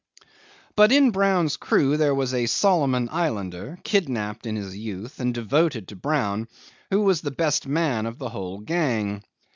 'But in Brown's crew there was a Solomon Islander, kidnapped in his youth and devoted to Brown, who was the best man of the whole gang.